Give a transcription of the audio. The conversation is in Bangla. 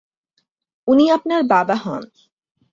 উনি আপনার বাবা হন।